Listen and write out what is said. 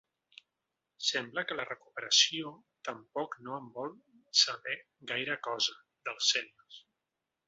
Sembla que la recuperació tampoc no en vol saber gaire cosa, dels sèniors.